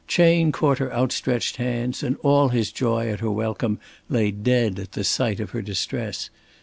Chayne caught her outstretched hands and all his joy at her welcome lay dead at the sight of her distress.